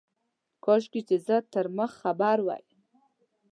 کاشکي چي زه تر مخ خبر وای.